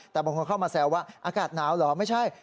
แต่บางคนเข้ามาแซวว่าอากาศหนาวเหรอไม่ใช่